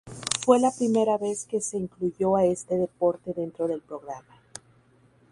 Fue la primera vez que se incluyó a este deporte dentro del programa.